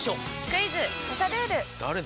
クイズ刺さルール！